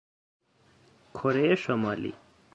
کره شمالی